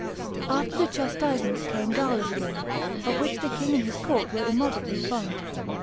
After the chastisements came galas again, of which the king and his court were immoderately fond.